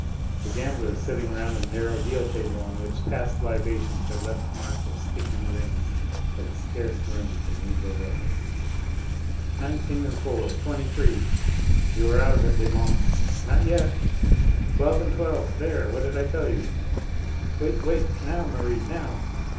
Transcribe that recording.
The gamblers sitting round a narrow deal table, on which past libations had left marks of sticky rings, had scarce room to move their elbows. "Nineteen and four twenty three!" "You are out of it, Desmonts!" "Not yet!" "Twelve and twelve!" "There! What did I tell you?" "Wait! wait! Now, Merri! Now!